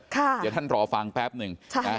เดี๋ยวท่านรอฟังแป๊บหนึ่ง